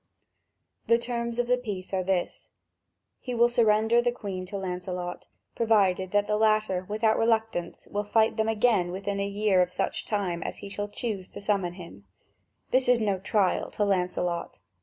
The terms of the peace are these: he will surrender the Queen to Lancelot, provided that the latter without reluctance will fight them again within a year of such time as he shall choose to summon him: this is no trial to Lancelot.